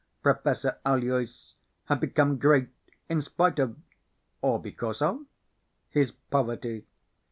Professor Aloys had become great in spite of or because of? his poverty.